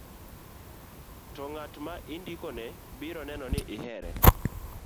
to ng'at ma indiko ne biro nene ni ihere